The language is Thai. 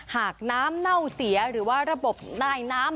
หากน้ำเน่าเสียหรือว่าระบบนายน้ำ